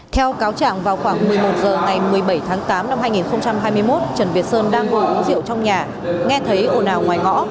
theo cáo trạng vào khoảng một mươi một h ngày một mươi bảy tháng tám năm hai nghìn hai mươi một trần việt sơn đang ngồi uống rượu trong nhà nghe thấy ổ nào ngoài ngõ